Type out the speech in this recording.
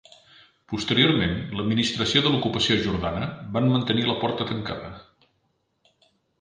Posteriorment, l'administració de l'ocupació jordana van mantenir la porta tancada.